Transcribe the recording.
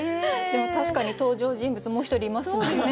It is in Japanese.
でも確かに登場人物もう一人いますもんね。